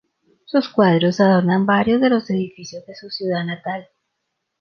Sus cuadros adornan varios de los edificios de su ciudad natal.